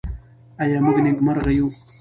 آیا موږ نېکمرغه یو؟